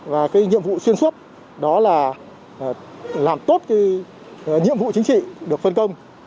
và nhiệm vụ xuyên suốt đó là làm tốt nhiệm vụ chính trị được phân công